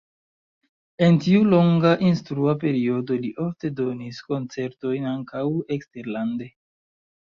En tiu longa instrua periodo li ofte donis koncertojn ankaŭ eksterlande.